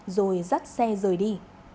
rồi dắt xe rời đi